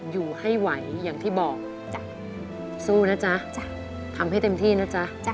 ไม่ไหวอย่างที่บอกสู้นะจ๊ะทำให้เต็มที่นะจ๊ะมาจ๊ะ